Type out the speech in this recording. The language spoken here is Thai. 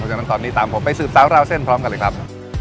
ฉะนั้นตอนนี้ตามผมไปสืบสาวราวเส้นพร้อมกันเลยครับ